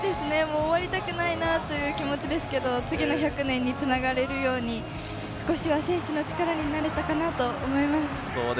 終わりたくないなという気持ちですが、次の１００年につながれるように、少しは選手の力になれたかなと思います。